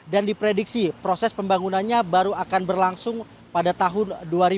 dan diprediksi proses pembangunannya baru akan berlangsung pada tahun dua ribu dua puluh lima